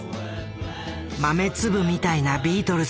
豆粒みたいなビートルズ。